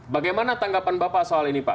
bagaimana tanggapan bapak soal ini pak